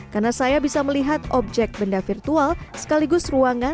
karena saya bisa melihat objek benda virtual sekaligus ruangan